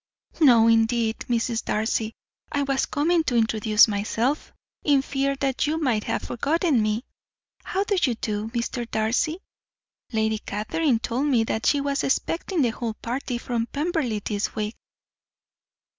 "No, indeed, Mrs. Darcy, I was coming to introduce myself, in fear that you might have forgotten me. How do you do, Mr. Darcy? Lady Catherine told me that she was expecting the whole party from Pemberley this week."